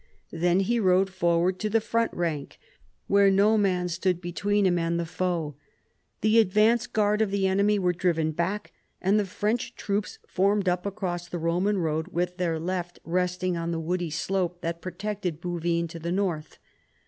Then he rode forward to the front rank, "where no man stood between him and the foe." The advance guard of the enemy were driven back, and the French troops formed up across the Eoman road, their left resting on the woody slope that protected Bouvines to the north.